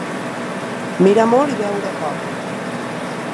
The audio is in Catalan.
Mirar molt i veure poc.